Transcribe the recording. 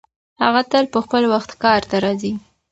هغه تل په خپل وخت کار ته راځي.